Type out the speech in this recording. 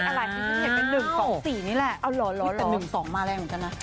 เห็นเป็น๑๒๔นี่แหละนี่เป็น๑๒มาแรงเหมือนกันนะ